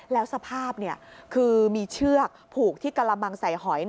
แล้วสภาพคือมีเชือกผูกที่กระมังใส่หอย